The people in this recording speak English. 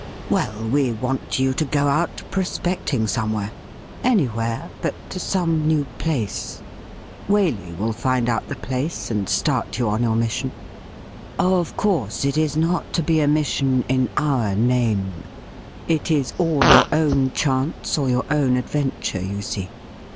Well, we want you to go out prospecting somewhere — anywhere, but to some new place.. Waley will find out the place and start you on your mission. Of course, it is not to be a mission 164 THE RIDDLE RING in our name ; it is all your own chance or your own ad venture, you see.